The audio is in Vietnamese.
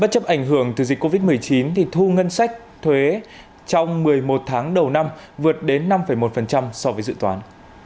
chấp ảnh hưởng từ dịch covid một mươi chín thu ngân sách thuế trong một mươi một tháng đầu năm vượt đến năm một so với dự toán